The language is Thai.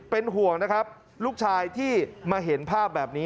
เป็นห่วงนะครับลูกชายที่มาเห็นภาพแบบนี้